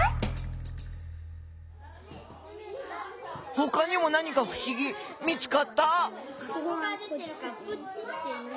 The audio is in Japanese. ほかにも何かふしぎ見つかった？